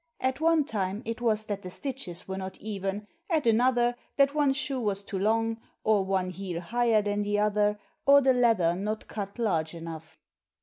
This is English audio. At one time it was that the stitches were not even, at another that one shoe was too long, or one heel higher than the other, or the leather not cut large enough.